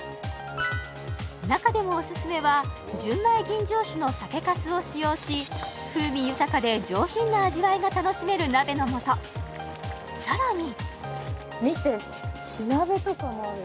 中でもオススメは純米吟醸酒の酒粕を使用し風味豊かで上品な味わいが楽しめる鍋の素さらに見て火鍋とかもあるよ